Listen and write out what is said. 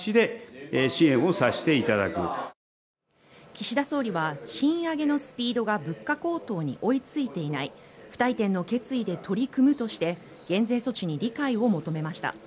岸田総理は賃上げのスピードが物価高騰に追いついていない不退転の決意で取り組むとして減税措置に理解を求めました。